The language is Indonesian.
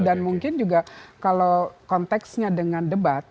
dan mungkin juga kalau konteksnya dengan debat